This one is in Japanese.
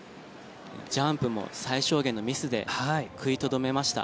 ジャンプも最小限のミスで食いとどめました。